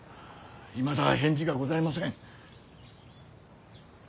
いまだ返事がございません。